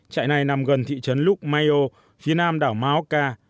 trại này nằm gần thị trấn lúc mai âu phía nam đảo maoka